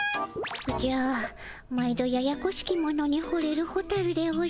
おじゃ毎度ややこしきものにほれるホタルでおじゃる。